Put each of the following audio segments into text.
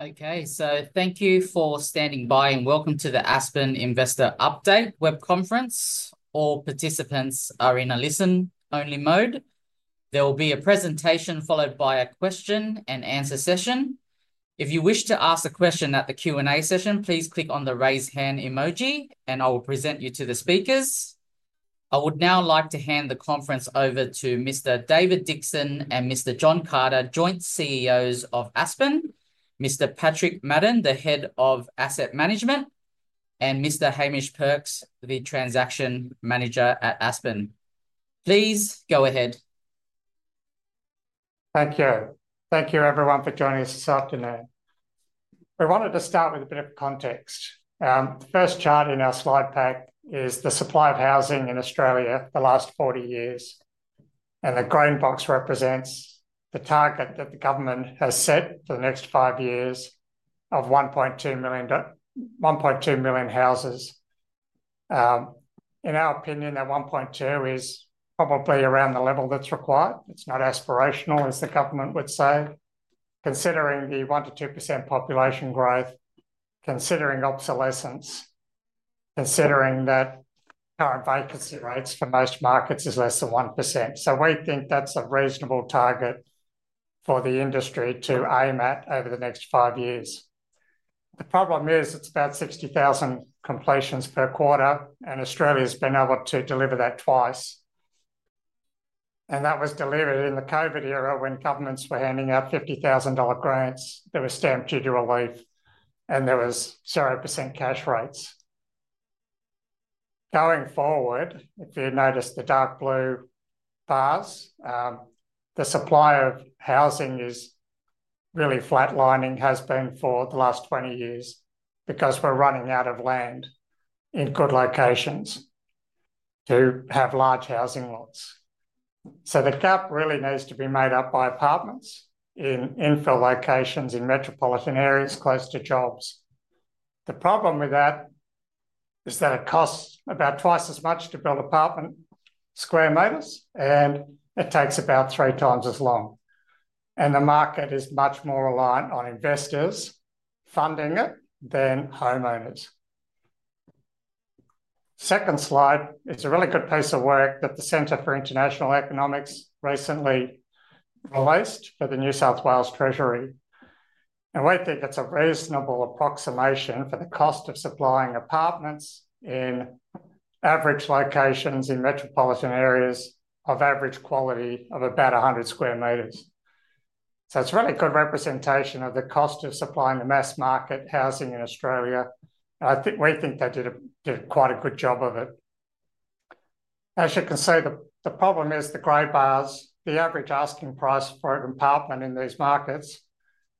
Okay, so thank you for standing by and Welcome to the Aspen Investor Update Web Conference. All participants are in a listen-only mode. There will be a presentation followed by a question-and-answer session. If you wish to ask a question at the Q&A session, please click on the raise hand emoji, and I will present you to the speakers. I would now like to hand the conference over to Mr. David Dixon and Mr. John Carter, joint CEOs of Aspen, Mr. Patrick Maddern, Head of Asset Management, and Mr. Hamish Perks, Transaction Manager at Aspen. Please go ahead. Thank you. Thank you, everyone, for joining us this afternoon. We wanted to start with a bit of context. The first chart in our slide pack is the supply of housing in Australia for the last 40 years, and the green box represents the target that the government has set for the next five years of 1.2 million houses. In our opinion, that 1.2 is probably around the level that's required. It's not aspirational, as the government would say, considering the 1%-2% population growth, considering obsolescence, considering that current vacancy rates for most markets are less than 1%. So we think that's a reasonable target for the industry to aim at over the next five years, so we think that's a reasonable target for the industry to aim at over the next five years. The problem is it's about 60,000 completions per quarter, and Australia has been able to deliver that twice. That was delivered in the COVID era when governments were handing out 50,000 dollar grants that were stamped due to relief, and there were 0% cash rates. Going forward, if you notice the dark blue bars, the supply of housing is really flatlining, has been for the last 20 years because we're running out of land in good locations to have large housing lots. So the gap really needs to be made up by apartments in infill locations in metropolitan areas close to jobs. The problem with that is that it costs about twice as much to build apartment square meters, and it takes about three times as long. The market is much more reliant on investors funding it than homeowners. Second slide, it's a really good piece of work that the Centre for International Economics recently released for the New South Wales Treasury. We think it's a reasonable approximation for the cost of supplying apartments in average locations in metropolitan areas of average quality of about 100 square meters. It's a really good representation of the cost of supplying the mass market housing in Australia. I think we think they did quite a good job of it. As you can see, the problem is the gray bars, the average asking price for an apartment in these markets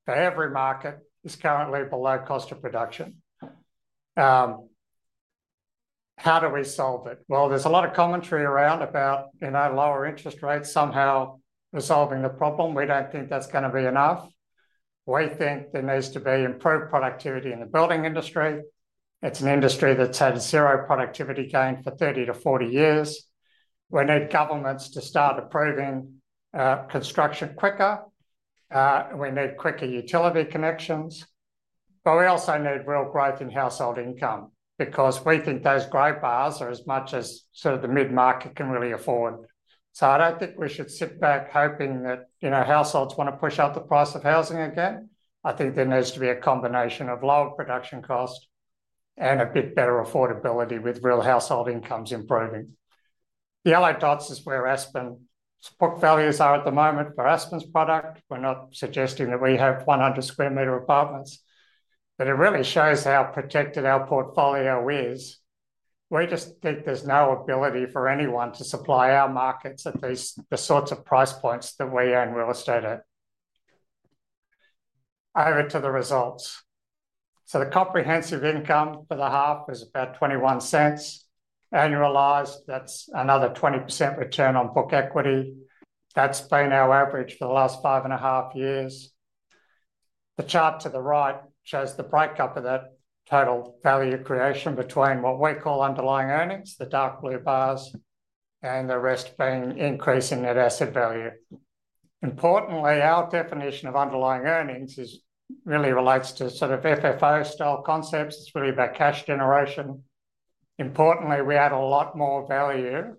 for every market is currently below cost of production. How do we solve it? There's a lot of commentary around about lower interest rates somehow resolving the problem. We don't think that's going to be enough. We think there needs to be improved productivity in the building industry. It's an industry that's had zero productivity gain for 30-40 years. We need governments to start approving construction quicker. We need quicker utility connections. But we also need real growth in household income because we think those grey bars are as much as sort of the mid-market can really afford. So I don't think we should sit back hoping that households want to push out the price of housing again. I think there needs to be a combination of lower production cost and a bit better affordability with real household incomes improving. The yellow dots is where Aspen's book values are at the moment for Aspen's product. We're not suggesting that we have 100 square meter apartments, but it really shows how protected our portfolio is. We just think there's no ability for anyone to supply our markets at these sorts of price points that we own real estate at. Over to the results. So the comprehensive income for the HAF is about 0.21 annualized. That's another 20% return on book equity. That's been our average for the last five and a half years. The chart to the right shows the breakup of that total value creation between what we call underlying earnings, the dark blue bars, and the rest being increasing net asset value. Importantly, our definition of underlying earnings really relates to sort of FFO style concepts. It's really about cash generation. Importantly, we add a lot more value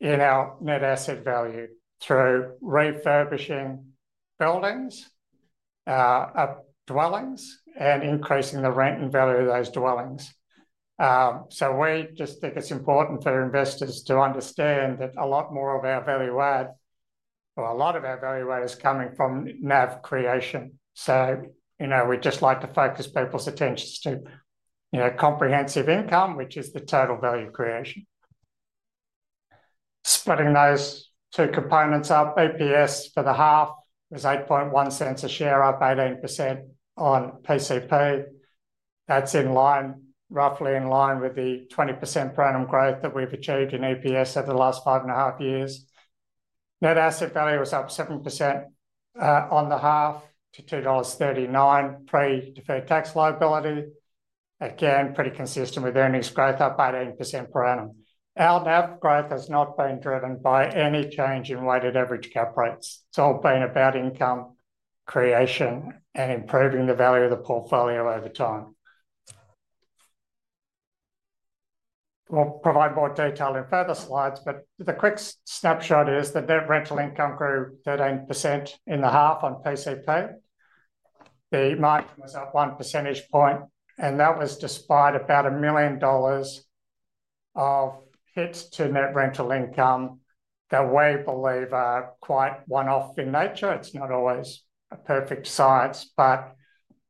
in our net asset value through refurbishing buildings, dwellings, and increasing the rent and value of those dwellings. So we just think it's important for investors to understand that a lot more of our value add, or a lot of our value add, is coming from NAV creation. So we'd just like to focus people's attention to comprehensive income, which is the total value creation. Splitting those two components up, EPS for the HAF was 0.081 a share, up 18% on PCP. That's in line, roughly in line with the 20% per annum growth that we've achieved in EPS over the last five and a half years. Net asset value was up 7% on the HAF to 2.39 dollars pre-deferred tax liability. Again, pretty consistent with earnings growth, up 18% per annum. Our NAV growth has not been driven by any change in weighted average cap rates. It's all been about income creation and improving the value of the portfolio over time. We'll provide more detail in further slides, but the quick snapshot is the net rental income grew 13% in the HAF on PCP. The margin was up one percentage point, and that was despite about 1 million dollars of hits to net rental income that we believe are quite one-off in nature. It's not always a perfect science, but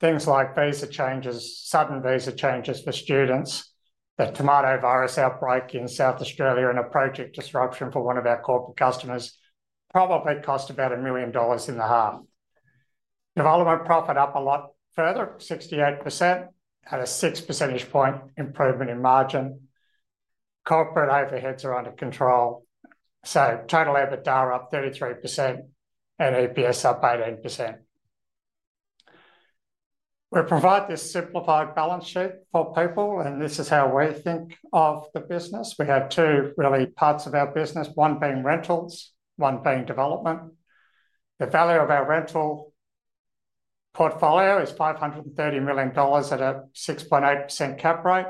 things like visa changes, sudden visa changes for students, the tomato virus outbreak in South Australia, and a project disruption for one of our corporate customers probably cost about 1 million dollars in the HAF. Development profit up a lot further, 68%, at a 6 percentage point improvement in margin. Corporate overheads are under control. So total EBITDA are up 33% and EPS up 18%. We provide this simplified balance sheet for people, and this is how we think of the business. We have two really parts of our business, one being rentals, one being development. The value of our rental portfolio is 530 million dollars at a 6.8% cap rate.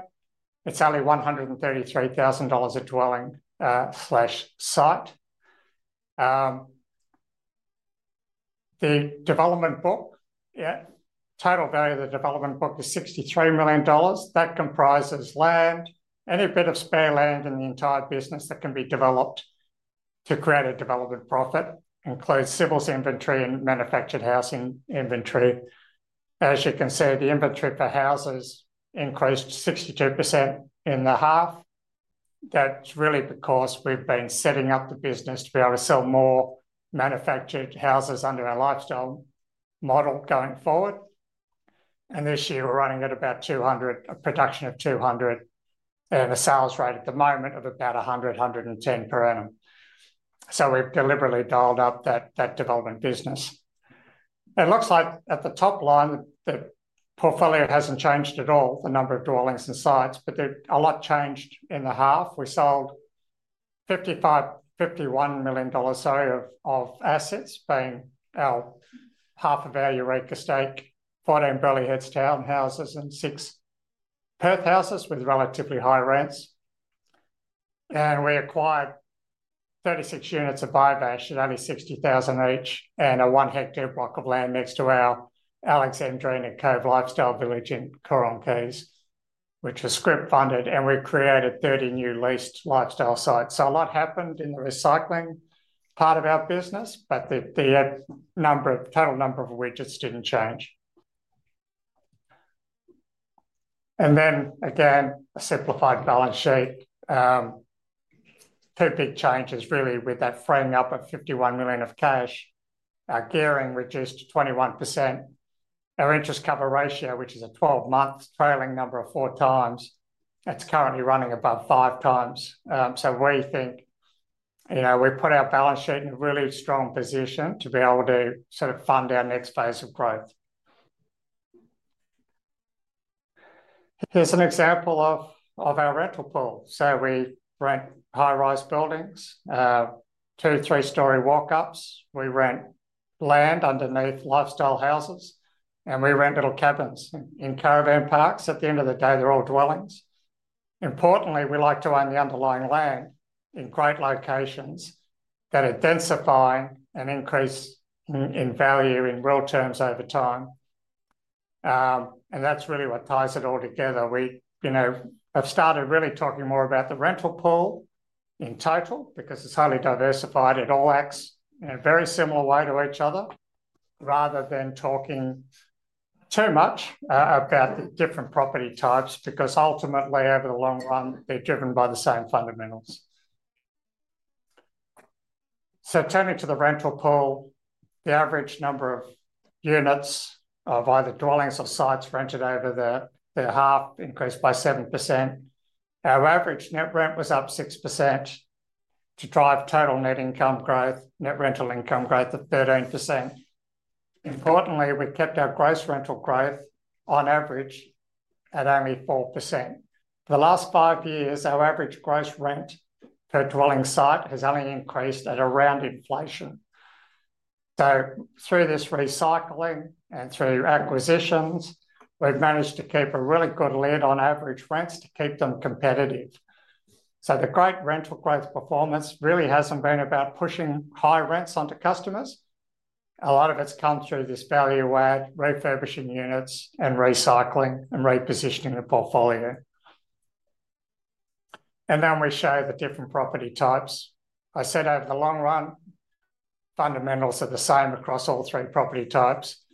It's only 133,000 dollars a dwelling/site. The development book, total value of the development book is 63 million dollars. That comprises land, any bit of spare land in the entire business that can be developed to create a development profit. It includes civil inventory and manufactured housing inventory. As you can see, the inventory for houses increased 62% in the HAF. That's really because we've been setting up the business to be able to sell more manufactured houses under our lifestyle model going forward. And this year, we're running at about 200, a production of 200, and a sales rate at the moment of about 100-110 per annum. So we've deliberately dialed up that development business. It looks like at the top line, the portfolio hasn't changed at all, the number of dwellings and sites, but a lot changed in the HAF. We sold 51 million dollars of assets, being our half of our Eureka stake, 14 Burleigh Heads townhouses, and six Perth houses with relatively high rents. And we acquired 36 units of Viveash at only 60,000 each and a one-hectare block of land next to our Alexandrina Cove Lifestyle Village in Coorong Quays, which was scrip funded, and we created 30 new leased lifestyle sites. So a lot happened in the recycling part of our business, but the total number of widgets didn't change. And then again, a simplified balance sheet. Two big changes really with that frame up of 51 million of cash. Our gearing reduced to 21%. Our interest cover ratio, which is a 12-month trailing number of four times, it's currently running above five times. So we think we put our balance sheet in a really strong position to be able to sort of fund our next phase of growth. Here's an example of our rental pool. So we rent high-rise buildings, two three-story walk-ups. We rent land underneath lifestyle houses, and we rent little cabins in caravan parks. At the end of the day, they're all dwellings. Importantly, we like to own the underlying land in great locations that are densifying and increase in value in real terms over time. And that's really what ties it all together. We have started really talking more about the rental pool in total because it's highly diversified. It all acts in a very similar way to each other rather than talking too much about the different property types because ultimately, over the long run, they're driven by the same fundamentals. So turning to the rental pool, the average number of units of either dwellings or sites rented over their HAF increased by 7%. Our average net rent was up 6% to drive total net income growth, net rental income growth of 13%. Importantly, we kept our gross rental growth on average at only 4%. For the last five years, our average gross rent per dwelling site has only increased at around inflation, so through this recycling and through acquisitions, we've managed to keep a really good lid on average rents to keep them competitive, so the great rental growth performance really hasn't been about pushing high rents onto customers. A lot of it's come through this value add, refurbishing units, and recycling and repositioning the portfolio, and then we show the different property types. I said over the long run, fundamentals are the same across all three property types.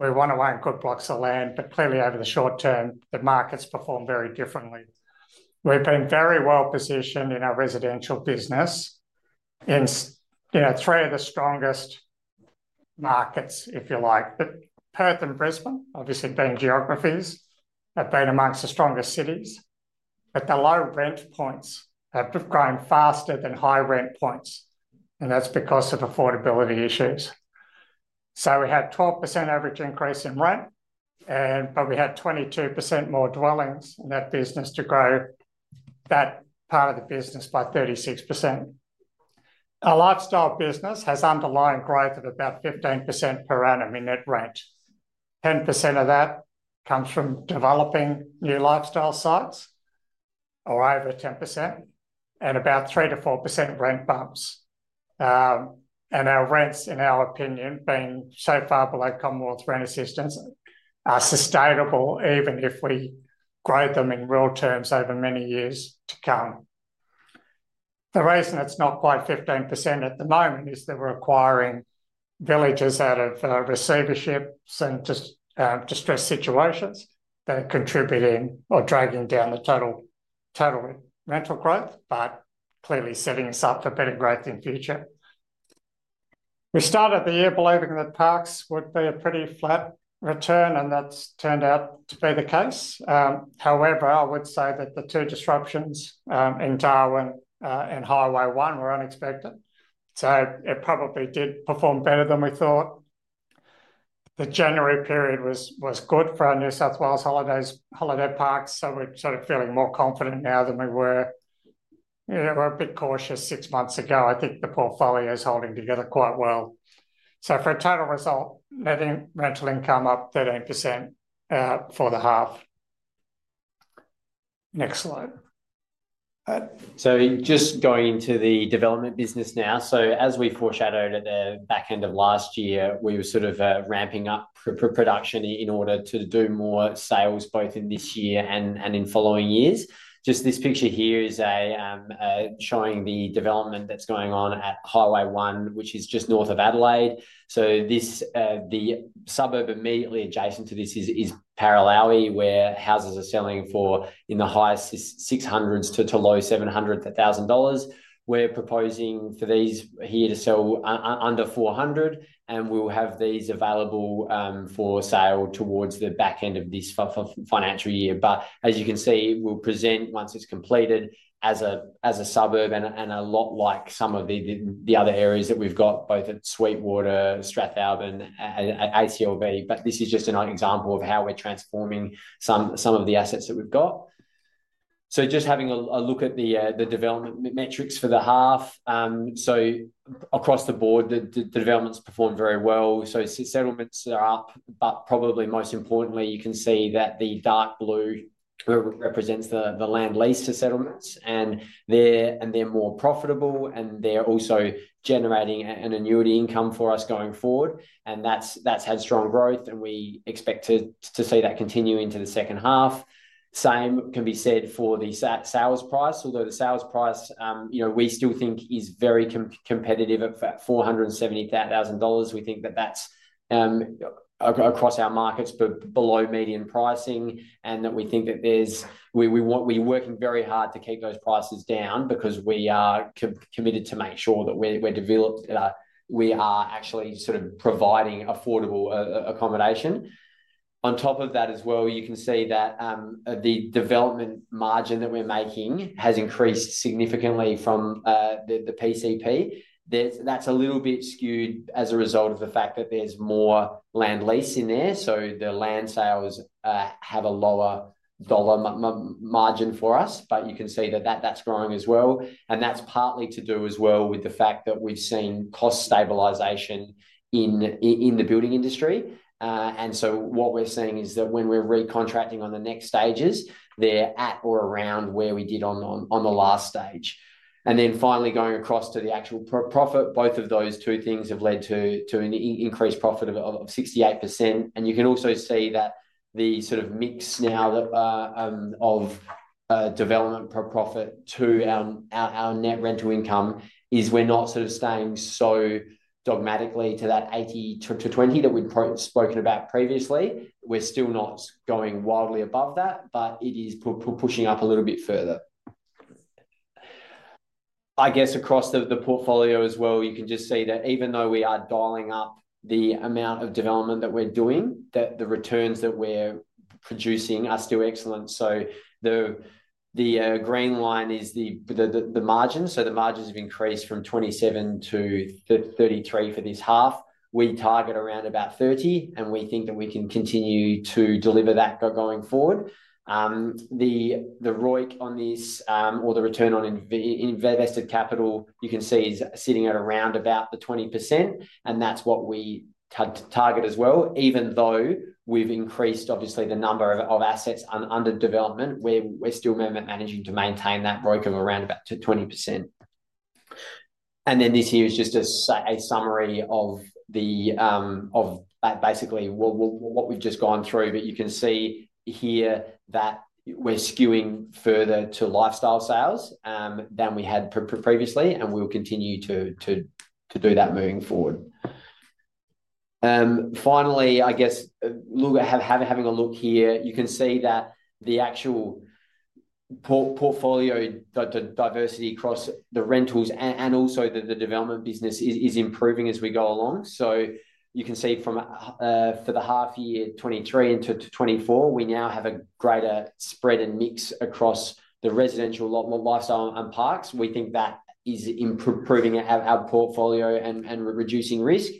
We want to own good blocks of land, but clearly over the short term, the markets perform very differently. We've been very well positioned in our residential business in three of the strongest markets, if you like. Perth and Brisbane, obviously being geographies, have been among the strongest cities, but the low rent points have grown faster than high rent points, and that's because of affordability issues. So we had 12% average increase in rent, but we had 22% more dwellings in that business to grow that part of the business by 36%. Our lifestyle business has underlying growth of about 15% per annum in net rent. 10% of that comes from developing new lifestyle sites or over 10% and about 3% to 4% rent bumps, and our rents, in our opinion, being so far below Commonwealth Rent Assistance, are sustainable even if we grow them in real terms over many years to come. The reason it's not quite 15% at the moment is that we're acquiring villages out of receiverships and distressed situations that are contributing or dragging down the total rental growth, but clearly setting us up for better growth in the future. We started the year believing that Parks would be a pretty flat return, and that's turned out to be the case. However, I would say that the two disruptions in Darwin and Highway One were unexpected. So it probably did perform better than we thought. The January period was good for our New South Wales holiday parks, so we're sort of feeling more confident now than we were. We were a bit cautious six months ago. I think the portfolio is holding together quite well. So for a total result, net rental income up 13% for the HAF. Next slide. So just going into the development business now. As we foreshadowed at the back end of last year, we were sort of ramping up production in order to do more sales both in this year and in following years. Just this picture here is showing the development that's going on at Highway 1, which is just north of Adelaide. The suburb immediately adjacent to this is Paralowie, where houses are selling for in the high AUD 600,000s to low 700,000 dollars. We're proposing for these here to sell under 400,000, and we'll have these available for sale towards the back end of this financial year. As you can see, we'll present once it's completed as a suburb and a lot like some of the other areas that we've got, both at Sweetwater, Strathalbyn, ACLV. This is just an example of how we're transforming some of the assets that we've got. Just having a look at the development metrics for the HAF, so across the board, the developments perform very well. Settlements are up, but probably most importantly, you can see that the dark blue represents the land leased to settlements, and they're more profitable, and they're also generating an annuity income for us going forward. That's had strong growth, and we expect to see that continue into the second half. The same can be said for the sales price, although the sales price we still think is very competitive at 470,000 dollars. We think that that's across our markets below median pricing and that we think that we're working very hard to keep those prices down because we are committed to make sure that we are actually sort of providing affordable accommodation. On top of that as well, you can see that the development margin that we're making has increased significantly from the PCP. That's a little bit skewed as a result of the fact that there's more land lease in there, so the land sales have a lower dollar margin for us, but you can see that that's growing as well, and that's partly to do as well with the fact that we've seen cost stabilization in the building industry, and so what we're seeing is that when we're recontracting on the next stages, they're at or around where we did on the last stage, and then finally, going across to the actual profit, both of those two things have led to an increased profit of 68%. You can also see that the sort of mix now of development profit to our net rental income is we're not sort of staying so dogmatically to that 80-20 that we've spoken about previously. We're still not going wildly above that, but it is pushing up a little bit further. I guess across the portfolio as well, you can just see that even though we are dialing up the amount of development that we're doing, that the returns that we're producing are still excellent. The green line is the margin. The margins have increased from 27% to 33% for this HAF. We target around about 30%, and we think that we can continue to deliver that going forward. The ROIC on this or the return on invested capital, you can see is sitting at around about 20%, and that's what we target as well, even though we've increased, obviously, the number of assets under development. We're still managing to maintain that ROIC of around about 20%. And then this here is just a summary of basically what we've just gone through, but you can see here that we're skewing further to lifestyle sales than we had previously, and we'll continue to do that moving forward. Finally, I guess having a look here, you can see that the actual portfolio diversity across the rentals and also the development business is improving as we go along. So you can see for the half year, 2023 into 2024, we now have a greater spread and mix across the residential, lifestyle, and parks. We think that is improving our portfolio and reducing risk.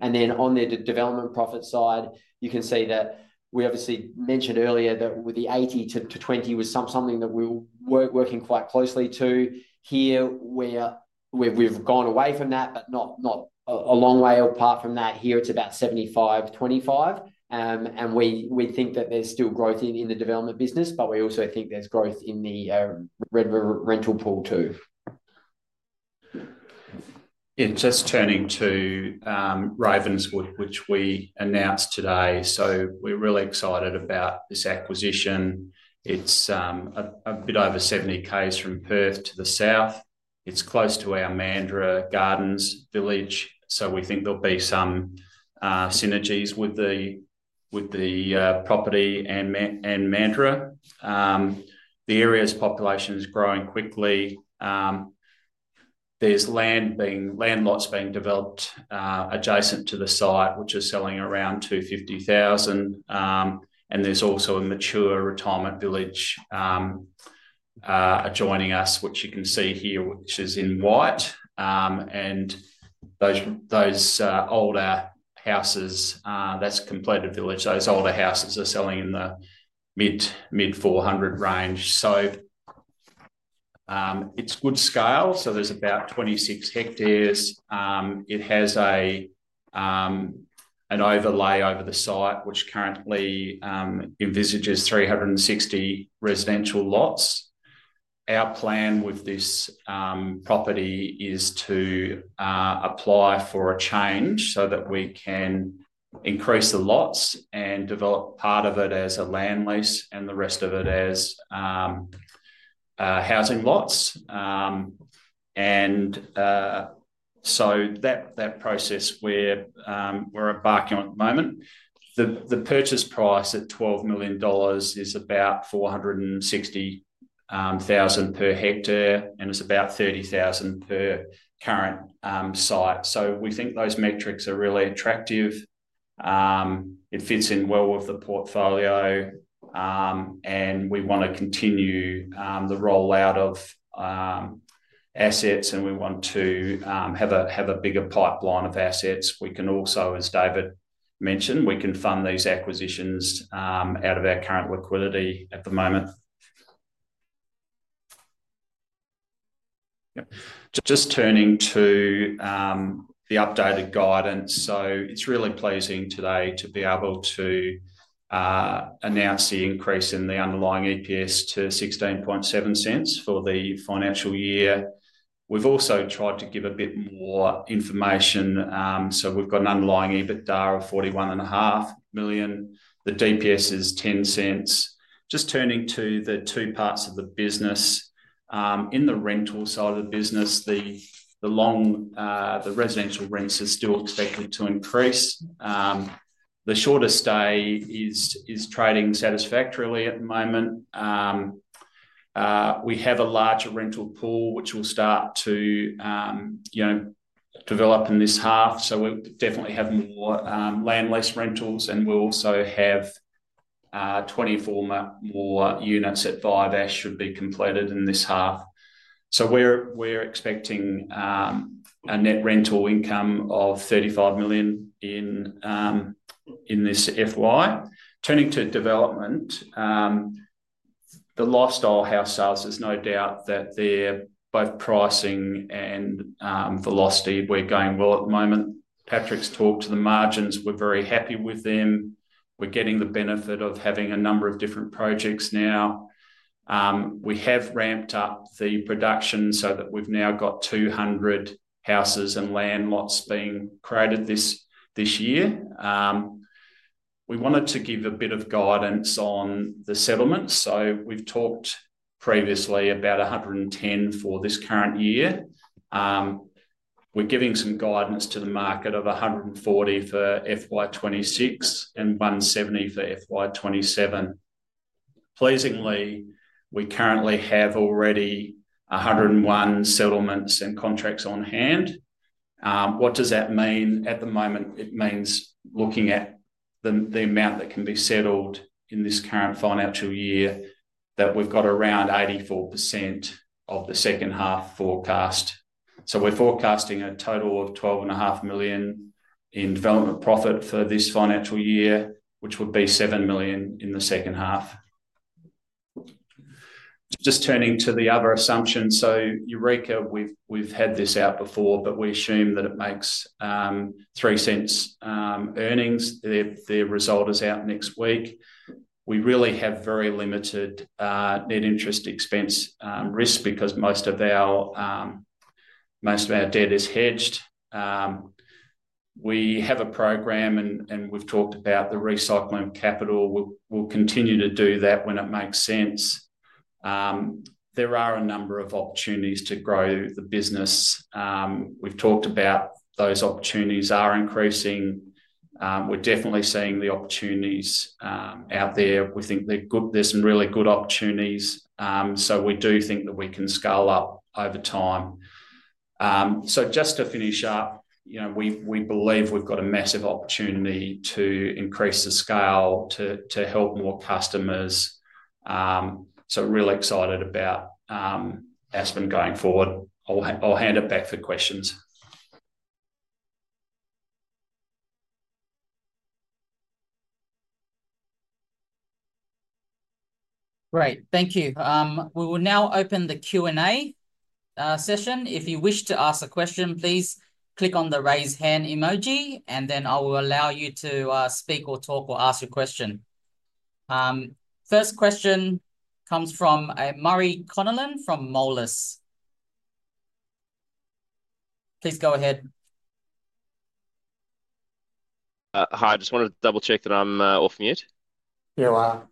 And then on the development profit side, you can see that we obviously mentioned earlier that the 80-20 was something that we're working quite closely to. Here, we've gone away from that, but not a long way apart from that. Here, it's about 75-25. And we think that there's still growth in the development business, but we also think there's growth in the rental pool too. Just turning to Ravenswood, which we announced today. So we're really excited about this acquisition. It's a bit over 70 km from Perth to the south. It's close to our Mandurah Gardens village. So we think there'll be some synergies with the property and Mandurah. The area's population is growing quickly. There's land lots being developed adjacent to the site, which is selling around 250,000. And there's also a mature retirement village adjoining us, which you can see here, which is in white. And those older houses, that's completed village. Those older houses are selling in the mid-400 range. So it's good scale. So there's about 26 hectares. It has an overlay over the site, which currently envisages 360 residential lots. Our plan with this property is to apply for a change so that we can increase the lots and develop part of it as a land lease and the rest of it as housing lots. And so that process, we're embarking on at the moment. The purchase price at 12 million dollars is about 460,000 per hectare, and it's about 30,000 per current site. So we think those metrics are really attractive. It fits in well with the portfolio, and we want to continue the rollout of assets, and we want to have a bigger pipeline of assets. We can also, as David mentioned, we can fund these acquisitions out of our current liquidity at the moment. Just turning to the updated guidance. So it's really pleasing today to be able to announce the increase in the underlying EPS to 0.167 for the financial year. We've also tried to give a bit more information. So we've got an underlying EBITDA of 41.5 million. The DPS is 0.10. Just turning to the two parts of the business. In the rental side of the business, the residential rents are still expected to increase. The shorter stay is trading satisfactorily at the moment. We have a larger rental pool, which will start to develop in this half. We definitely have more land lease rentals, and we'll also have 24 more units at Viveash that should be completed in this half. We're expecting a net rental income of 35 million in this FY. Turning to development, the lifestyle house sales, there's no doubt that they're both pricing and velocity. We're going well at the moment. Patrick's talked to the margins. We're very happy with them. We're getting the benefit of having a number of different projects now. We have ramped up the production so that we've now got 200 houses and land lots being created this year. We wanted to give a bit of guidance on the settlements. We've talked previously about 110 for this current year. We're giving some guidance to the market of 140 for FY 2026 and 170 for FY 2027. Pleasingly, we currently have already 101 settlements and contracts on hand. What does that mean? At the moment, it means looking at the amount that can be settled in this current financial year that we've got around 84% of the second half forecast. So we're forecasting a total of 12.5 million in development profit for this financial year, which would be 7 million in the second half. Just turning to the other assumption. So Eureka, we've had this out before, but we assume that it makes 0.03 earnings. The result is out next week. We really have very limited net interest expense risk because most of our debt is hedged. We have a program, and we've talked about the recycling capital. We'll continue to do that when it makes sense. There are a number of opportunities to grow the business. We've talked about those opportunities are increasing. We're definitely seeing the opportunities out there. We think there's some really good opportunities. So we do think that we can scale up over time. So just to finish up, we believe we've got a massive opportunity to increase the scale to help more customers. So really excited about Aspen going forward. I'll hand it back for questions. Great. Thank you. We will now open the Q&A session. If you wish to ask a question, please click on the raise hand emoji, and then I will allow you to speak or talk or ask your question. First question comes from Murray Connellan from Moelis. Please go ahead. Hi. I just wanted to double-check that I'm off mute. You are.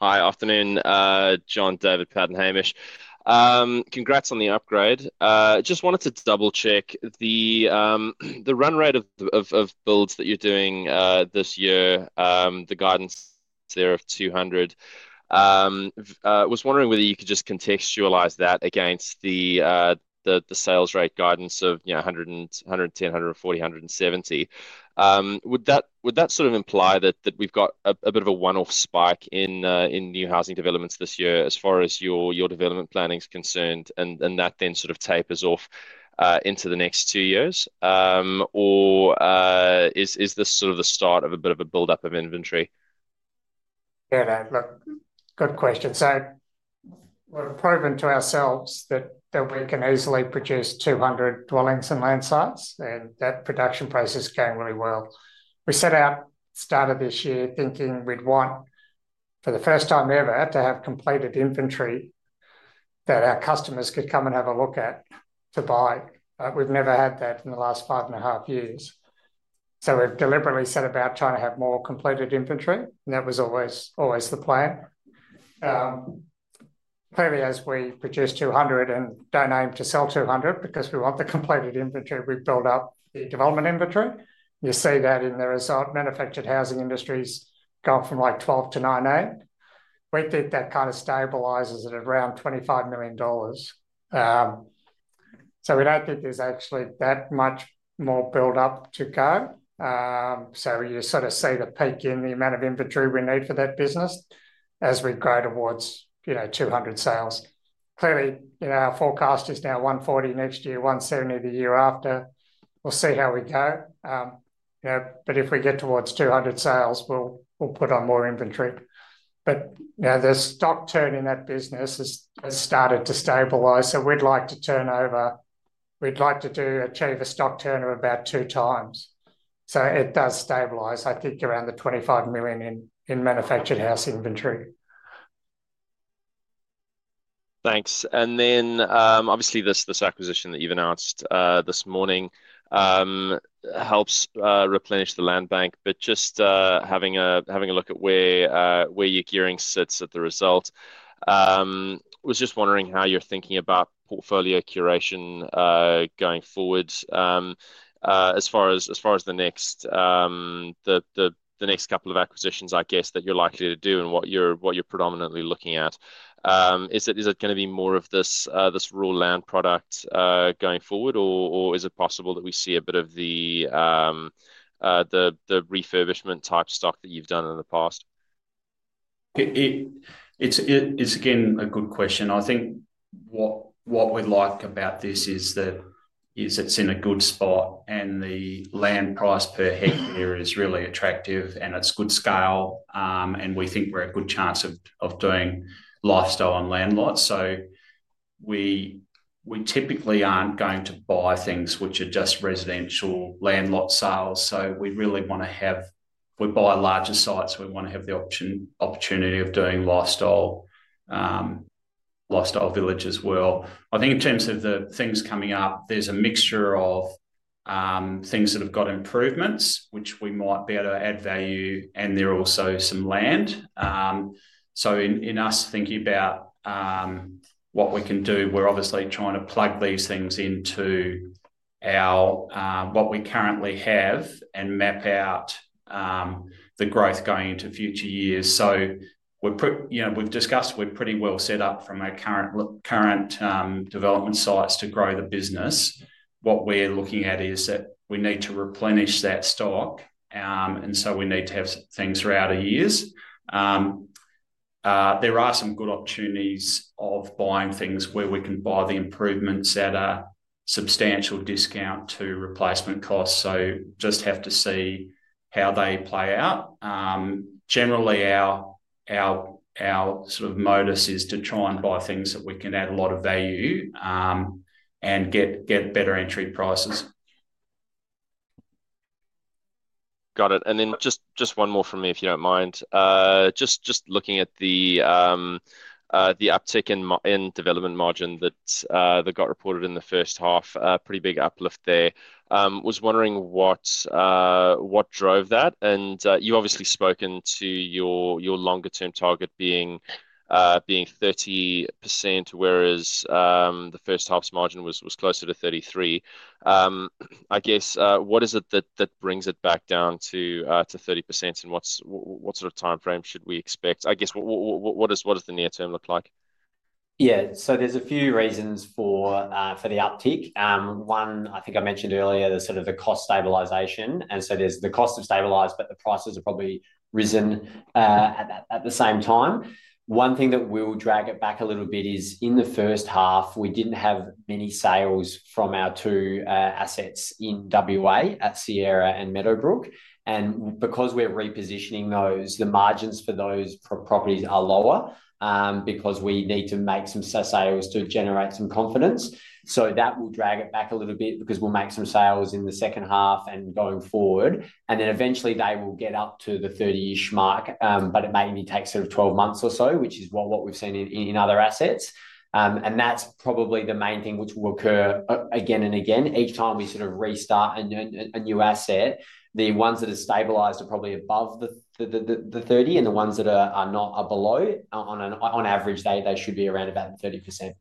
Hi. Afternoon, John, David, Patrick, Hamish. Congrats on the upgrade. Just wanted to double-check the run rate of builds that you're doing this year, the guidance there of 200. I was wondering whether you could just contextualize that against the sales rate guidance of 110, 140, 170? Would that sort of imply that we've got a bit of a one-off spike in new housing developments this year as far as your development planning is concerned and that then sort of tapers off into the next two years? Or is this sort of the start of a bit of a build-up of inventory? Yeah, good question. So we've proven to ourselves that we can easily produce 200 dwellings and land sites, and that production process is going really well. We set out, started this year thinking we'd want, for the first time ever, to have completed inventory that our customers could come and have a look at to buy. We've never had that in the last five and a half years. So we've deliberately set about trying to have more completed inventory, and that was always the plan. Clearly, as we produce 200 and don't aim to sell 200 because we want the completed inventory, we build up the development inventory. You see that in the result, manufactured housing industries go from like 12 to 98. We think that kind of stabilizes at around 25 million dollars. So we don't think there's actually that much more build-up to go. So you sort of see the peak in the amount of inventory we need for that business as we grow towards 200 sales. Clearly, our forecast is now 140 next year, 170 the year after. We'll see how we go. But if we get towards 200 sales, we'll put on more inventory. But the stock turn in that business has started to stabilize. So we'd like to turn over. We'd like to achieve a stock turn of about two times. So it does stabilize, I think, around the 25 million in manufactured house inventory. Thanks. And then obviously, this acquisition that you've announced this morning helps replenish the land bank, but just having a look at where your gearing sits at the result, I was just wondering how you're thinking about portfolio curation going forward as far as the next couple of acquisitions, I guess, that you're likely to do and what you're predominantly looking at. Is it going to be more of this raw land product going forward, or is it possible that we see a bit of the refurbishment type stock that you've done in the past? It's again a good question. I think what we like about this is that it's in a good spot and the land price per hectare is really attractive and it's good scale, and we think we're a good chance of doing lifestyle on land lots, so we typically aren't going to buy things which are just residential land lot sales, so we really want to have we buy larger sites. We want to have the opportunity of doing lifestyle village as well. I think in terms of the things coming up, there's a mixture of things that have got improvements, which we might be able to add value, and there are also some land, so in us thinking about what we can do, we're obviously trying to plug these things into what we currently have and map out the growth going into future years. So we've discussed we're pretty well set up from our current development sites to grow the business. What we're looking at is that we need to replenish that stock, and so we need to have things throughout the years. There are some good opportunities of buying things where we can buy the improvements at a substantial discount to replacement costs. So just have to see how they play out. Generally, our sort of modus is to try and buy things that we can add a lot of value and get better entry prices. Got it. And then just one more from me, if you don't mind. Just looking at the uptick in development margin that got reported in the first half, pretty big uplift there. I was wondering what drove that. And you've obviously spoken to your longer-term target being 30%, whereas the first half's margin was closer to 33%. I guess, what is it that brings it back down to 30%, and what sort of time frame should we expect? I guess, what does the near-term look like? Yeah. So there's a few reasons for the uptick. One, I think I mentioned earlier, there's sort of the cost stabilization. And so the costs have stabilized, but the prices have probably risen at the same time. One thing that will drag it back a little bit is in the first half, we didn't have many sales from our two assets in WA at Sierra and Meadowbrook. And because we're repositioning those, the margins for those properties are lower because we need to make some sales to generate some confidence. So that will drag it back a little bit because we'll make some sales in the second half and going forward. And then eventually, they will get up to the 30-ish mark, but it maybe takes sort of 12 months or so, which is what we've seen in other assets. And that's probably the main thing which will occur again and again. Each time we sort of restart a new asset, the ones that are stabilized are probably above the 30, and the ones that are not are below. On average, they should be around about 30%.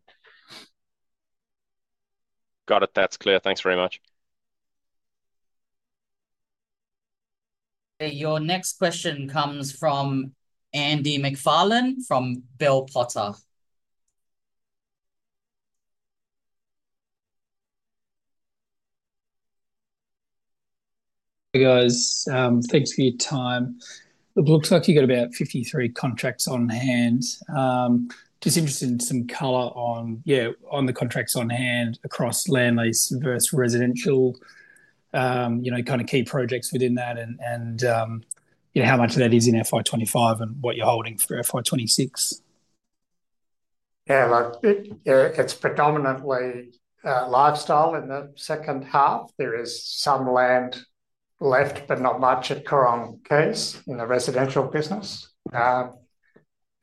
Got it. That's clear. Thanks very much. Your next question comes from Andy MacFarlane from Bell Potter. Hey, guys. Thanks for your time. It looks like you've got about 53 contracts on hand. Just interested in some color on, yeah, on the contracts on hand across land lease versus residential, kind of key projects within that and how much of that is in FY25 and what you're holding for FY26. Yeah. It's predominantly lifestyle in the second half. There is some land left, but not much at Coorong Quays in the residential business. At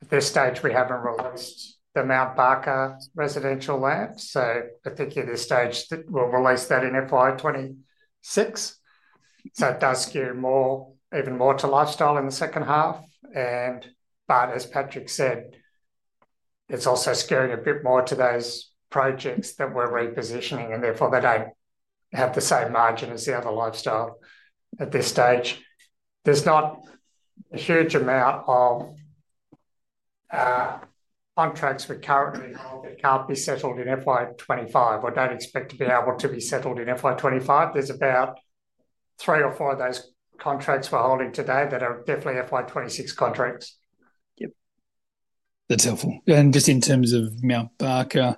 this stage, we haven't released the Mount Barker residential land. So I think at this stage, we'll release that in FY26. So it does skew even more to lifestyle in the second half. But as Patrick said, it's also skewing a bit more to those projects that we're repositioning, and therefore, they don't have the same margin as the other lifestyle at this stage. There's not a huge amount of contracts we currently hold that can't be settled in FY25 or don't expect to be able to be settled in FY25. There's about three or four of those contracts we're holding today that are definitely FY26 contracts. Yep. That's helpful. Just in terms of Mount Barker,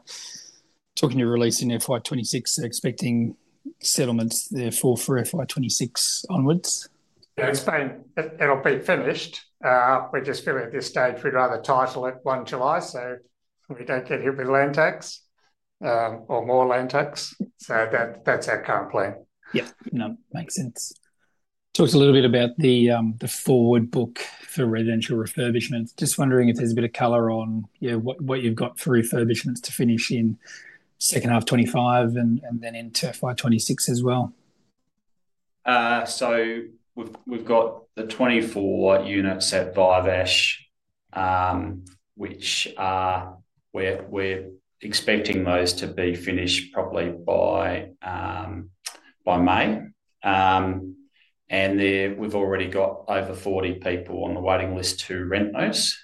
talking to release in FY26, expecting settlements therefore for FY26 onwards. It'll be finished. We're just feeling at this stage, we'd rather title it 1 July so we don't get hit with land tax or more land tax. So that's our current plan. Yep. No, makes sense. Talked a little bit about the forward book for residential refurbishments. Just wondering if there's a bit of color on what you've got for refurbishments to finish in second half 2025 and then into FY26 as well. So we've got the 24 units at Viveash, which we're expecting those to be finished probably by May. And we've already got over 40 people on the waiting list to rent those.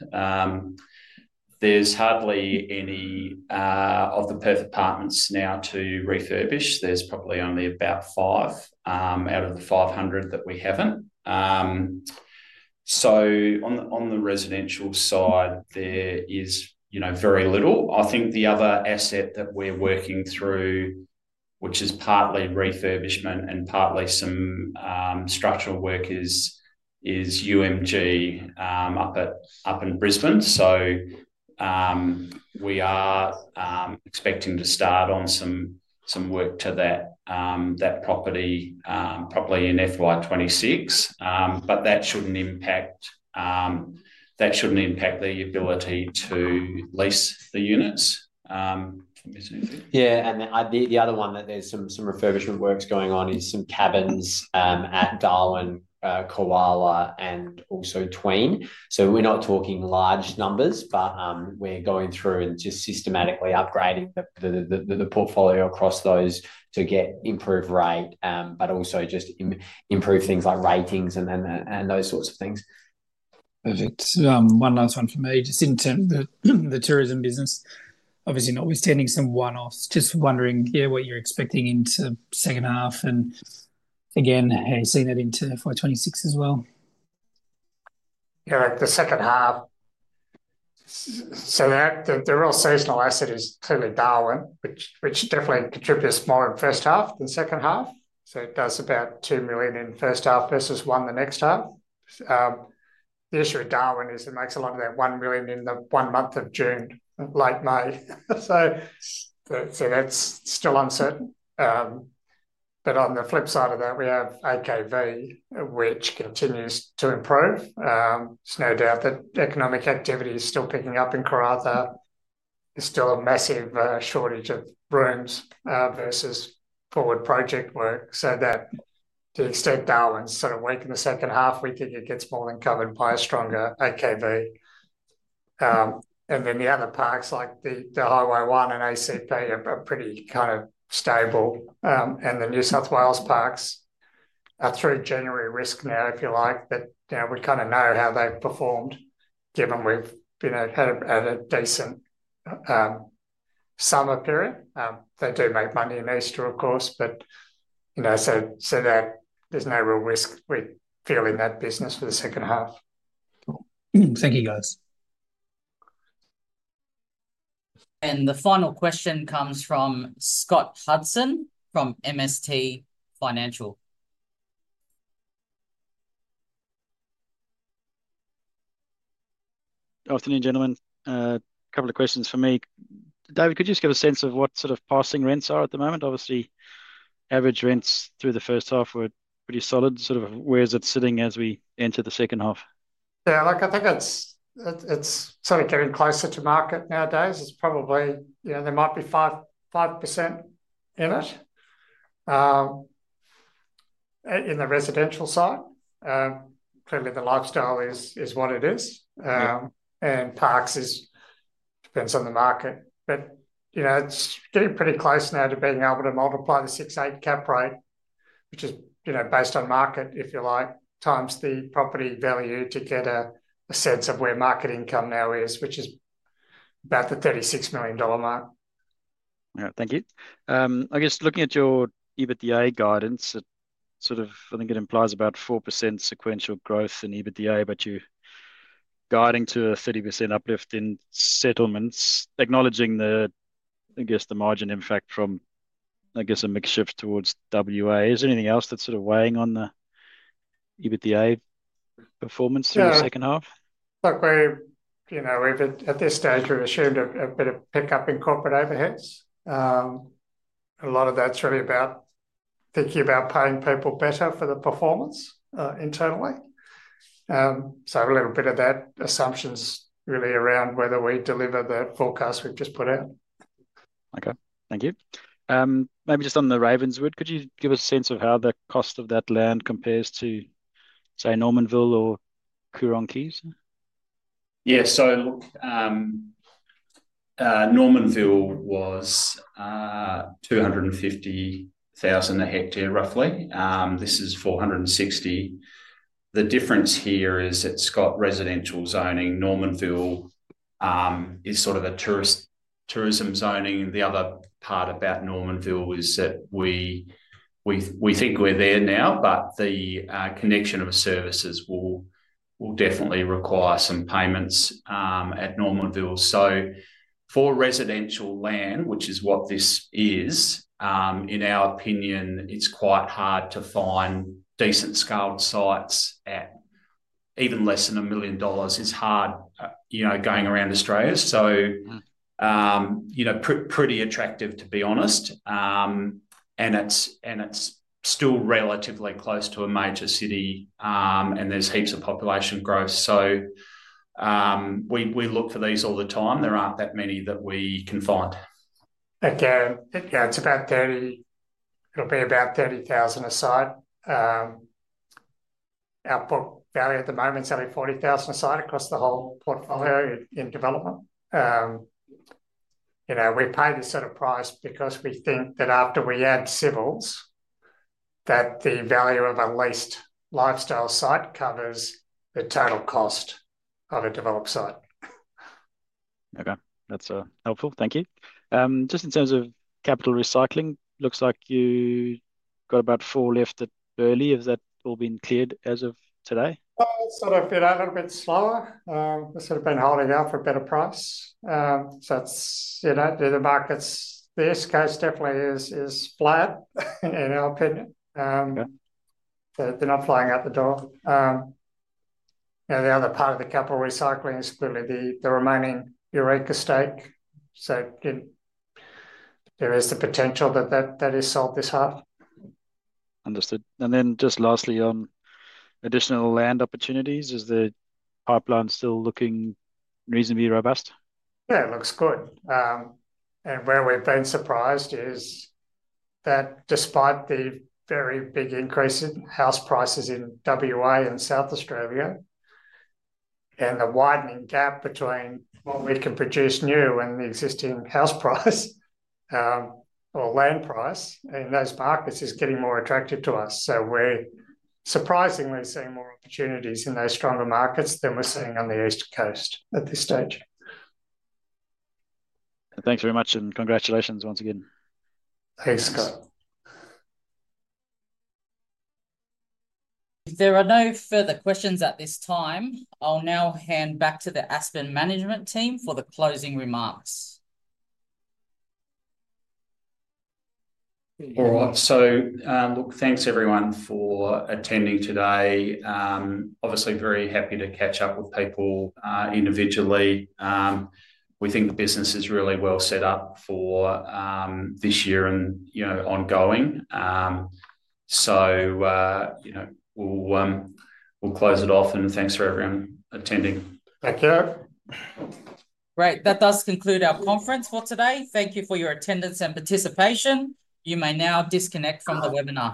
There's hardly any of the prefab apartments now to refurbish. There's probably only about five out of the 500 that we haven't. So on the residential side, there is very little. I think the other asset that we're working through, which is partly refurbishment and partly some structural workers, is UMG up in Brisbane. So we are expecting to start on some work to that property in FY26. But that shouldn't impact the ability to lease the units. Yeah. And the other one that there's some refurbishment works going on is some cabins at Darwin, Koala, and also Tweed. So we're not talking large numbers, but we're going through and just systematically upgrading the portfolio across those to get improved rate, but also just improve things like ratings and those sorts of things. Perfect. One last one for me. Just in terms of the tourism business, obviously notwithstanding some one-offs, just wondering, yeah, what you're expecting into second half and again, seeing that into FY26 as well. Yeah. The second half. So the real seasonal asset is clearly Darwin, which definitely contributes more in first half than second half. So it does about 2 million in first half versus 1 the next half. The issue with Darwin is it makes a lot of that 1 million in the one month of June, late May. So that's still uncertain. But on the flip side of that, we have AKV, which continues to improve. There's no doubt that economic activity is still picking up in Karratha. There's still a massive shortage of rooms versus forward project work. So that to the extent Darwin's sort of weak in the second half, we think it gets more than covered by a stronger AKV. And then the other parks like the Highway 1 and ACP are pretty kind of stable. And the New South Wales parks are through January risk now, if you like, that we kind of know how they've performed given we've had a decent summer period. They do make money in Easter, of course, but so there's no real risk we feel in that business for the second half. Thank you, guys. And the final question comes from Scott Hudson from MST Financial. Afternoon, gentlemen. A couple of questions for me. David, could you just give a sense of what sort of passing rents are at the moment? Obviously, average rents through the first half were pretty solid. Sort of where's it sitting as we enter the second half? Yeah. Look, I think it's sort of getting closer to market nowadays. It's probably there might be 5% in it in the residential side. Clearly, the lifestyle is what it is. And parks depends on the market. But it's getting pretty close now to being able to multiply the 6.8 cap rate, which is based on market, if you like, times the property value to get a sense of where market income now is, which is about the 36 million dollar mark. Yeah. Thank you. I guess looking at your EBITDA guidance, sort of I think it implies about 4% sequential growth in EBITDA, but you're guiding to a 30% uplift in settlements, acknowledging, I guess, the margin impact from, I guess, a mix shift towards WA. Is there anything else that's sort of weighing on the EBITDA performance in the second half? Look, at this stage, we've assumed a bit of pickup in corporate overheads. A lot of that's really about thinking about paying people better for the performance internally. So a little bit of that assumption's really around whether we deliver the forecast we've just put out. Okay. Thank you. Maybe just on the Ravenswood, could you give us a sense of how the cost of that land compares to, say, Normanville or Coorong Quays? Yeah. So Normanville was 250,000 a hectare, roughly. This is 460,000. The difference here is it's got residential zoning. Normanville is sort of a tourism zoning. The other part about Normanville is that we think we're there now, but the connection of services will definitely require some payments at Normanville. So for residential land, which is what this is, in our opinion, it's quite hard to find decent scaled sites at even less than 1 million dollars. It's hard going around Australia. So pretty attractive, to be honest. And it's still relatively close to a major city, and there's heaps of population growth. We look for these all the time. There aren't that many that we can find. Again, it's about 30. It'll be about 30,000 a site. Our book value at the moment's only 40,000 a site across the whole portfolio in development. We pay this at a price because we think that after we add civils, that the value of a leased lifestyle site covers the total cost of a developed site. Okay. That's helpful. Thank you. Just in terms of capital recycling, looks like you got about four left at Burleigh. Has that all been cleared as of today? It's sort of been a little bit slower. It's sort of been holding out for a better price. So the markets, the escapes definitely is flat, in our opinion. They're not flying out the door. The other part of the capital recycling is clearly the remaining Eureka stake. So there is the potential that it's sold this half. Understood. And then just lastly, on additional land opportunities, is the pipeline still looking reasonably robust? Yeah. It looks good. And where we've been surprised is that despite the very big increase in house prices in WA and South Australia, and the widening gap between what we can produce new and the existing house price or land price in those markets is getting more attractive to us. So we're surprisingly seeing more opportunities in those stronger markets than we're seeing on the east coast at this stage. Thanks very much, and congratulations once again. Thanks, Scott. If there are no further questions at this time, I'll now hand back to the Aspen Management Team for the closing remarks. All right. So look, thanks everyone for attending today. Obviously, very happy to catch up with people individually. We think the business is really well set up for this year and ongoing, so we'll close it off, and thanks for everyone attending. Thank you. Great. That does conclude our conference for today. Thank you for your attendance and participation. You may now disconnect from the webinar.